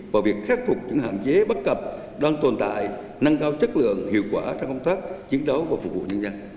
và việc khắc phục những hạm chế bắt cập đoan tồn tại nâng cao chất lượng hiệu quả trong công tác chiến đấu và phục vụ nhân dân